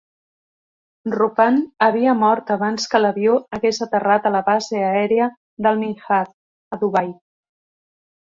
Rupan havia mort abans que l'avió hagués aterrat a la base aèria d'Al Minhad, a Dubai.